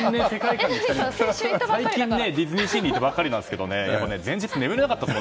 最近、ディズニーシーに行ったばかりなんですが前日眠れなかったですよ